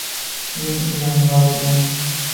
Men undan roziman